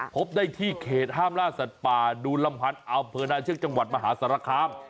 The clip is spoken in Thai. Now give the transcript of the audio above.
พบได้ที่เขตห้ามล่าสัตว์ป่าดูลำพันธ์อำเภอนาเชือกจังหวัดมหาสารคาม